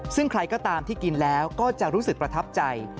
ซึ่งใครก็ตามที่กินแล้วก็จะรู้สึกประทับใจ